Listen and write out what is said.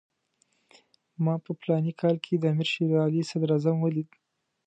ما په فلاني کال کې د امیر شېر علي صدراعظم ولید.